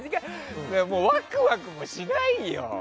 ワクワクもしないよ。